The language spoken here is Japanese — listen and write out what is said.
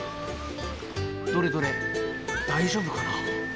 どれどれ大丈夫かな？